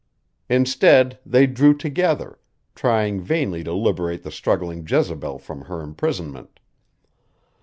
Instead they drew together, trying vainly to liberate the struggling Jezebel from her imprisonment.